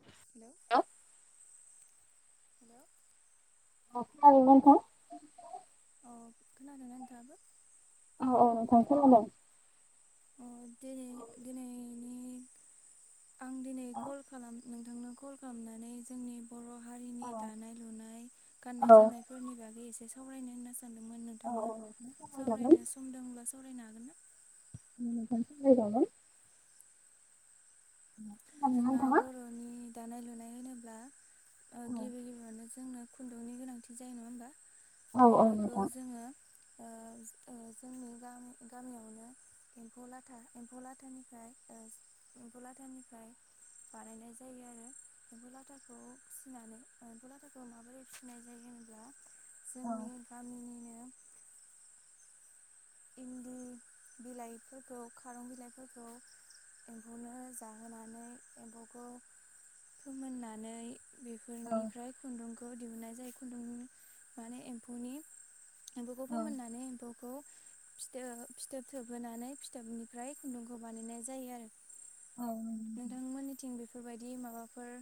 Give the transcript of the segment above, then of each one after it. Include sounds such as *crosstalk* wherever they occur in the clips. Hello. औ औ खोनादोंना नोंथां? अ खोनादोंना नोंथाङाबो? औ औ नोंथां खोनादों। अ दिनै दिनैनि आं दिनै औ कल खालाम नों नोंनो कल खामनानै जोंनि बर' हारिनि दानाय लुनाय औ गाननाय जोमनाय फोरनि बागै एसे सावरायनो होनना सानदोंमोन। औ नोंथाङा नोंथां सावरायजागोन सावरायनो सम दोंब्ला सावरायनो हागोन ना? उम नोंथां सावरायजागोन। *unintelligible* जोंना बर'नि दानाय लुनाय होनोब्ला ओ गिबि गिबियावनो जोंनो खुनदुंनि गोनांथि जायो नङा होमबा? औ औ बेफोरखौ नोंथां। जोङो ओ ओ जोंनि गामि गामियावनो एम्फौ लाथा एम्फौ लाथानिफाय ओ एम्फौ लाथानिफ्राय बानायनाय जायो आरो एम्फौ लाथाखौ फिसिनानै एम्फौ लाथाखौ माबोरै फिसिनाय जायो होनब्ला औ जोंनि गामिनिनो इन्दि बिलायफोरखौ खारं बिलायफोरखौ एम्फौनो जाहोनानै एम्फौखौ फोमोननानै औ बिफोरनिफ्राय खुन्दुंखौ दिहुनन्नाय जायो खुन्दुंनि माने एम्फौनि एम्फौखौ फोमोननानै एम्फौखौ फिथो फिथोब थोबहोनानै फिथोबनिफ्राय खुन्दुंखौ बानायनाय जायो आरो। *unintelligible* नोंथां मोनिथिं बेफोरबायदि माबाफोर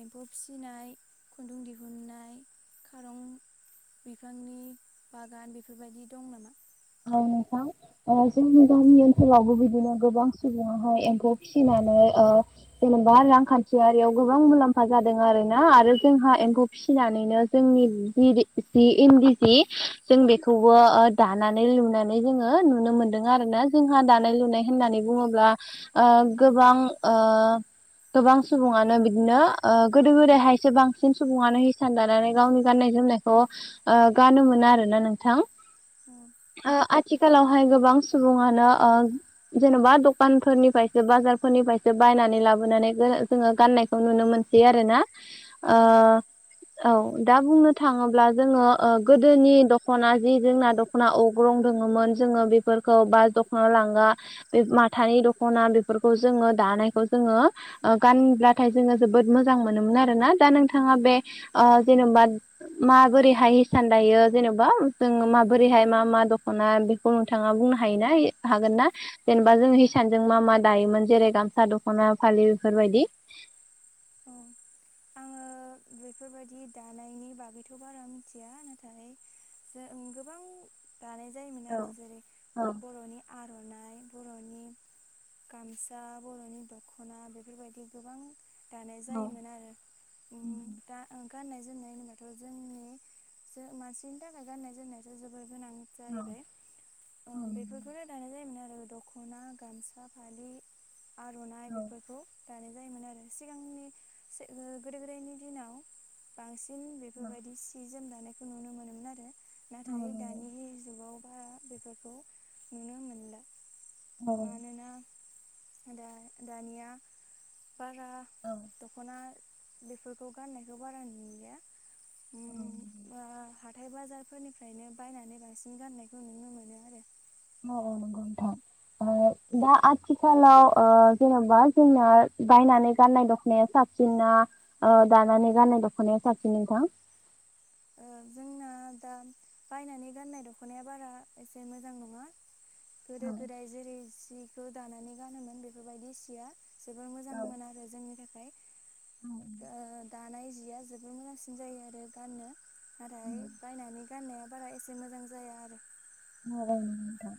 एम्फौ फिसिनाय खुन्दुं दिहुननाय खारं बिफांनि बागान बेफोरबायदि दं नामा? औ नोंथां। ओ जोंनि गामि ओनसोलावबो बिदिनो गोबां सुबुङाहाय एम्फौ फिसिनानै ओ जेनेबा रांखान्थियारियाव गोबां मुलाम्फा जादों आरो ना आरो जोंहा एम्फौ फिनानैनो जोंनि जिरि जि इन्दि जि जों बेखौबो ओ दाना नाय लुनानै जोङो नुनो मोन्दों आरो ना जोंहा दानाय लुनाय होननानै बुङोब्ला ओ गोबां ओ गोबां सुबुङानो बिदिनो ओ गोदो गोदायहायसो बांसिन सुबुङानो हिसान दानानै गावनि गाननाय जोमनायखौ आ गानोमोना आरोना नोंथां। औ आ आथिखालावहाय गोबां सुबुङानो आ जेन'बा दकानफोरनिफायसो बाजारफोरनिफ्रायसो बायनानै लाबोनानै गो जोङो गाननाय खौ नुनो मोनसै आरोना ओ औ दा बुंनो थाङोब्ला जोङो ओ गोदोनि दख'ना जि जोंना दख ख'ना अग्रं दोङोमोन जोङो बेफोरखौ बा दख'ना लांगा बे माथानि दख'ना बेफोरखौ जोङो दानायखौ जोङो ओ गानब्लाथाय जोङो जोबोद मोजां मोनोमोन आरो ना दा नोंथाङा बे आ जेन'बाद माबोरैहाय हिसान दायो जेनेबा जोंनो माब बोरैहाय मा मा दख'ना बेखौ नोंथाङा बुंनो हायो ना हागोन ना? जेनेबा जों हिसानजों मा मा दायोमोन जेरै गामसा दख'ना फालि बेफोरबायदि अ आङो बेफोरबायदि दानायनि बागैथ' बारा मिन्थिया नाथाय जोओं गोबां दानाय जायोमोन औ आरो जेरै बर'नि आर'नाइ बर'नि गामसा बर'नि दख'ना बेफोरबायदि गोबां दानाय औ जायोमोन आरो उम दा गाननाय जोमनाय होनबाथ' जोंनि जो मानसिनि थाखाय गाननाय जोमनायाथ जोबोर गोनां औ जाहैबाय ओ औ बेफोरखौनो दानाय जायोमोन आरो दख'ना गामसा फालि आर'नाइ औ बेफोरखौ दानाय जायोमोन आरो सिगांनि फिस ओ गोदो गोदायनि दिनाव बांसिन औ बेफोरबायदि सि जोम दानायखौ नुनो मोनोमोन आरो औ नाथाय नंगौ दानि जुगाव बा बेफोरखौ नुनो मोनला औ मानोना दा दानिया बारा औ दख'ना बेफोरखौ गाननायखौ बारा नुलिया औ उम बा हाथाय बाजारफोरनिफ्रायनो बायनानै बांसिन गाननायखौ नुनो मोनो आरो आ नंगौ नोंथां ओ दा आथिखालाव ओ जेन'बा जोंना बायनानै गाननाय दखनाया साब सिन ना ओ दानानै गाननाय दख'नाया साबसिन नोंथां ओ जोंना दा बायनानै गाननाय दख'नाया बारा एसे मोजां नङा गोदो औ गोदाय जेरै सिखौ दानानै गानोमोन बेफोरबायदि सिया जोबोर मोजां औ मोन आरो जोंनि थाखाय औ ओ दानाय जिया जोबोर मोजांसि सिन जायो आरो गाननो औ नाथाय बायनानै गाननाया बारा एसे मोजां जाया आरो नंगौ नोंथां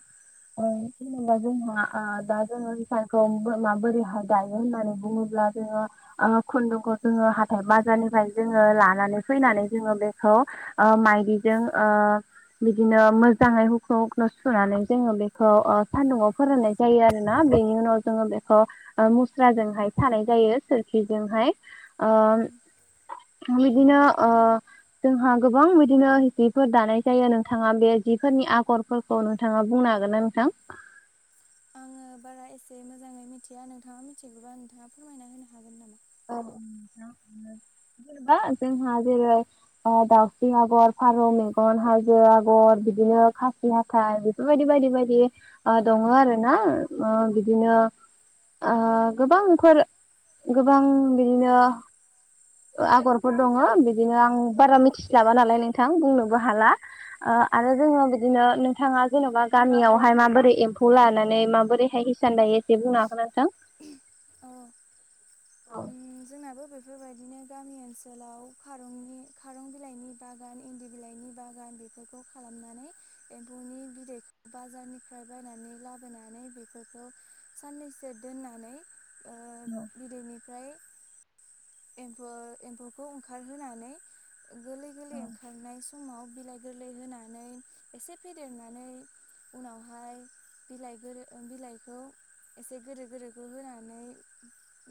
ओ जेनेबा जोंहा आ दा जोङो इसानखौ माबोरैहाय दायो होननानै बुङोब्ला जोङो ओ खुन्दुंखौ जोङो हाथाय बाजारनिफ्राय जोङो लानानै फैनानै जोङो बेखौ ओ माइदिजों ओ बिदिनो मोजांङै हुख्रु हुख्रु सुनानै जोङो बेखौ ओ सदुंआव फोराननाय जायो आरो ना बेनि उनाव जोङो बेखौ ओ मुस्राजोंहाय सानाय जायो सोरखिजोंहाय उम ओ बिदिनो ओ जोंहा गोबां बिदिनो जिफोर दानाय जायो नोंथाङा बे जिफोरनि आगर फोर औ नोंथाङा बुंनो हागोन ना नोंथां? आङो बारा एसे मोजाङै मिथिया नोंथाङा मिथिगौबा नोंथाङा फोरमायना होनो हागोन नामा? औ जेनेबा हो जोंहा जेरै ओ दाउस्रि आगर फारौ मेगन हाजो आगर बिदिनो खासि हाथ थाय बेफोरबायदि बायदि बायदि दङ आरो ना ओ बिदिनो ओ गोबांफोर गोबां बिदिनो ओ आगरफोर दंङ बिदिनो आं बारा मिथिसलाबा नालाय नोंथां बुंनोबो हाला नामा आरो जोङो बिदिनो नोंथाङा जेन'बा गामियावहाय माबोरै एम्फौ लानानै माबोरैहाय सानदों एसे बुंनो हागोनना नोंथां? औ औ औ उम जोंनाबो बेफोरबायदिनो गामि ओनसोलाव खारंनि खारं बिलाइनि बागान इन्दि बिलाइनि बागान बेफोरखौ खालामनानै एम्फौनि बिदै बाजारनिफ्राय बायनानै लाबोनानै बेफोरखौ साननैसो दोननानै ओ औ बिदैनिफ्राय एमफौ एम्फौखौ ओंखारहोनानै गोरलै गोरलै ओंखारनाय समाव बिलाइ गोरलै होनानै एसे फेदेरनानै उनावहाय बिलाइ गोरो बिलाइखौ एसे गोदोर गोदोरखौ होनानै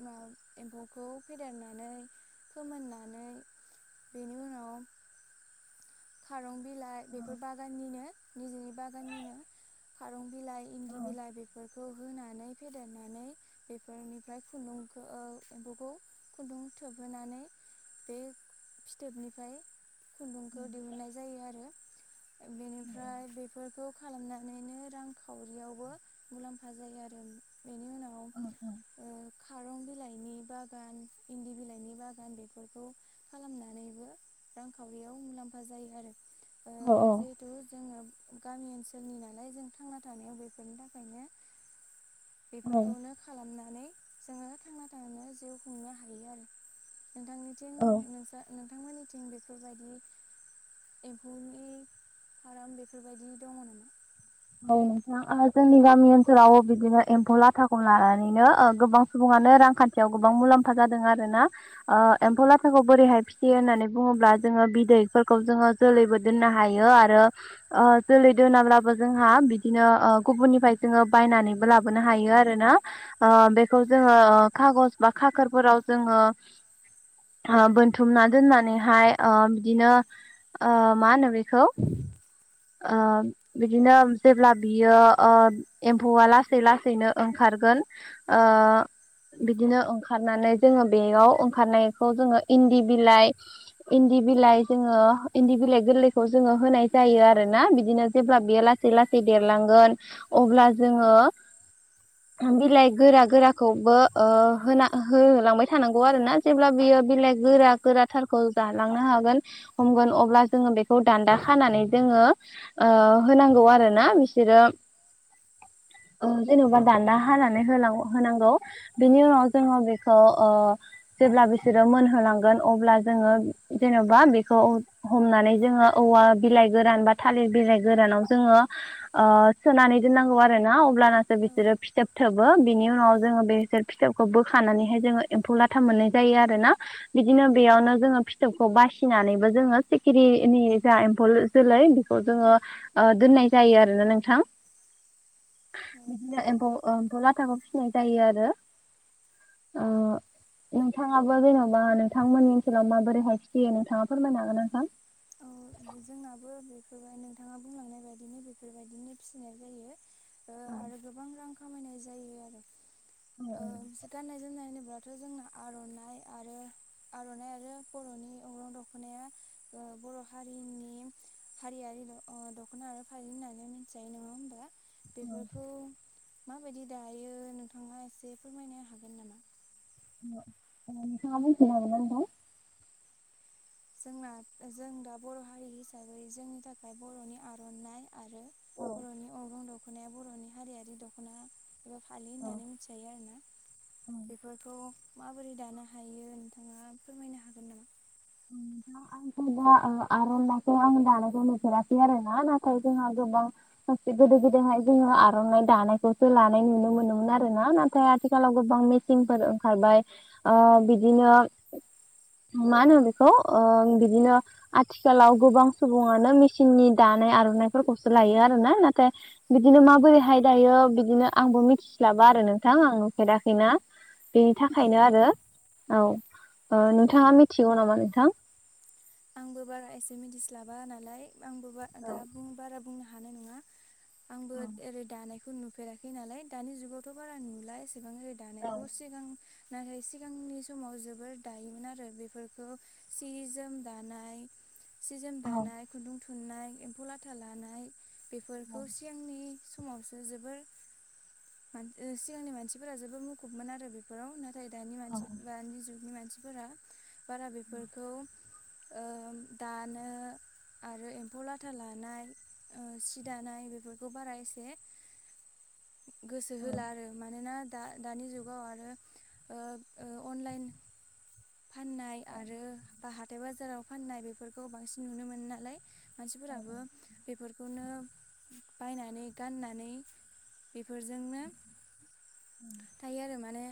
मा एम्फौखौ फेदेर फेदेरनानै फोमोननानै बेनि उनाव खारं बिलाइ बेफोर बागाननिनो निजेनि बागाननिनो। खारं बिलाइ औ इन्दि बिलाइ बेफोरखौ होनानै फेदेरनानै बेफोरनिफ्राय खुन्दुंखौ एम्फौखौ खुन्दुं थोबहोनानै बे फिथोबनिफ्राय खुन्दुं खौ दिहुननाय जायो आरो बेनिफ्राय बेफोरखौ खालामनानैनो रांखावरियावबो मुलाम्फा जायो आरो बेनि उनाव औ ओ खारं बिलाइनि बागान इन्दि बिलाइनि बागान बेफोरखौ खालामनानैबो रांखावरियाव मुलाम्फा जायो आरो जे थु जोङो गामि ओनसोलनि नालाय जों थांना थानायाव बेफोरनि थाखायनो औ बेफोरखौनो खालामनानै जोङो थांना थांनो जिउ खुंनो हायो आरो नोंथांनि थिं औ नोंसा नोंथांमोननिथिं बेफोरबायदि एम्फौनि फार्म बेफोरबायदि दङ नामा? औ नोंथां ओहो जोंनि गामि ओनसोलाव बिदिनो एम्फौ लाथाखौ लानानैनो ओ गोबां सुबुंङानो रांखान्थियाव गोबां मुलाम्फा जादों आरोना। ओ एम्फौ लाथाखौ बोरैहाय फिसियो होननानै बुङोब्ला जोङो बिदैफोरखौ जोङो जोलैबो दोननो हायो आरो ओ जोलै दोनाब्लाबो जोंहा बिदिनो ओ गुबुननिफ्राय जोङो बायनानैबो लाबोनो हायो आरोना। ओ बेखौ जोङो खागज बा खाखोरफोराव जोङो बोनथुमना दोननानैहाय ओ बिदिनो ओ मा होनो बेखौ ओ बिदिनो जेब्ला बियो ओ एम्फौआ लासै लासैनो ओंखारगोन ओ बिदिनो ओंखारनानै जोङो बेयाव ओंखारनायखौ जोङो इन्दि बिलाइ इन्दि बिलाइ जोङो इन्दि बिलाइ गोरलैखौ जोङो होनाय जायो आरो ना बिदिनो जेब्ला बेयो लासै लासै देरलांगोन अब्ला जोङो *inaudible* *inaudible* बिलाइ गोरा गोराखौबो ओ होना होलांबाय थानांगौ आरो ना जेब्ला बियो बिलाइ गोरा गोराथारखौ जालांनो हागोन हमगोन अब्ला जोङो बेखौ दान्दा खानानै जोङो ओ होनांगौ आरो ना बिसोरो ओ जेन'बा दान्दा हानानै होल होनांगौ बेनि उनाव जोङो बेखौ ओ जेब्ला बिसोरो मोनहोलांगोन अब्ला जोङो जेन'बा बेखौ हमनानै जोङो औवा बिलाइ गोरान बा थालिर बिलाय गोरानाव जोङो ओ सोनानै दोननांगौ आरो ना अब्लानासो बिसोरो औ फिथोब थोबो बिनि उनाव जोङो बे फिथोबखौ बोखानानैहाय जोङो एम्फौ लाथा मोननाय जायो आरोना बिदिनो बेयावनो जोङो फिथोबखौ बासिनानैबो जोङो सिखिरिनि जा एम्फौ जोलै जोङो दोननाय जायो आरो ना नोंथां औ बिदिनो एम्फौ ओ एम्फौ लाथाखौ फिसिनाय जायो आरो *inaudible* नोंथाङाबो जेन'बा नोंथांमोननि ओनसोलाव माबोरैहाय फिसियो नोंथाङा फोरमायनो हागोन ना नोंथां? औ जोंनाबो बेफोरबाय नोंथाङा बायदिनो बेफोरबायदिनो जायो। ओ आरो गोबां रां खामायनाय जायो आरो औ ओ गाननाय जोमनाय होनोबा थ' जोंना आर'नाइ आरो आर'नाइ आरो बर'नि अग्रं दख'नाया। ओ बर' हारिनि हारियारि द ओ दख'ना फालि होननानै मिथिजायो नङा होमबा? बेफोरखौ माबायदि दायो नोंथाङा एसे फोरमायनो हागोन नामा? ओ नोंथाङा बुंफिननो हागोन ना नोंथां? जोंना जों दा बर' हारि हिसाबै जोंनि थाखाय बर'नि आर'नाइ। आरो बर'नि अग्रं दख'नाया बर'नि हारियारि दख'ना। एबा फालि होननानै मिथिजायो आरो ना बेफोर बेखौ माबोरै दानो हायो नोंथाङा फोरमायनो हागोन नामा? *inaudible* आंथ दा आर'नाइखौ आं दानायखौ नुफेराखै आरो ना नाथाय जोंहा गोबां सोबसे गोदो गोदायहाय जोङो आर'नाइ दानायखौसो लानाय नुनो मोनोमोन आरो ना नाथाय आथिखालाव गोबां मि सिन फोर ओंखारबाय ओ बिदिनो मा होनो बे खौ ओ बिदिनो आथिखालाव गोबां सुबुङानो मेचिननि दानाय आर'नाफोरखौसो लायो आरो ना नाथाय। बिदिनो माबोरैहाय दायो बिदिनो आंबो मिथिस्लाबा आरो नोंथां आं नुफेराखैना। बेनि औ थाखायनो आरो औ ओ नोंथाङा मिथिगौ नामा नोंथां? आंबो बारा एसे मिथिस्लाबा नालाय आंबो बारा दा बुंनो हानाय नङा। आंबो ओरै दानायखौ नुफेराखै नालाय दानि जुगावथ' बारा नुला एसे एसेबां ओरै दानायखौ सिगां नाथाय सिगांनि समाव जोबोर दायोमोन आरो बेफोरखौ सि जोम दानाय सि जोम दानाय खुन्दुं थुननाय एम्फौ लाथा लानाय बेफोरखौ सिगांनि समावसो जोबोर *unintelligible* सिगांनि मानसिफोरा जोबोर मुखुबमोन आरो बे बेफोराव नाथाय दानि मानसि दानि जुगनि मानसिफोरा बारा बेफोरखौ ओ दानो आरो एम्फौ लाथा लानाय सि दानाय बेफोरखौ बारा एसे *unintelligible* गोसो होला आरो मानोना दा दानि जुगाव आरो ओ ओ अनलाइन फाननाय आरो बा हाथाय बाजाराव फाननाय बेफोरखौ बांसिन नुनो मोनो नालाय। मानसिफोराबो बेफोरखौनो बायनानै गाननानै बेफोरजोंनो थायो आरो माने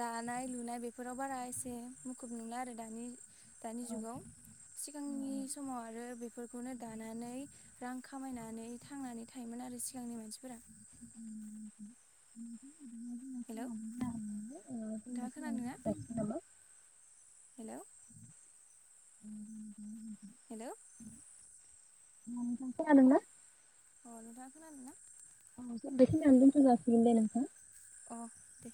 दानाय लुनाय बेफोराव बारा एसे मुखुब नंला आरो दानि दानि जुगाव सिगांनि समाव आरो बेफोरखौनो दानानै रां खामायनानै थांनानै थायोमोन आरो सिगांनि मानसिफोरा *inaudible* हेलौ नोंथाङा खोनादों ना हेलौ *inaudible* हेलौ *unintelligible* खोनादों ना? अ नोंथाङा खोनादों ना औ बेखिनियावनो‌ दोनथजासिगोनदे नोंथां अ दे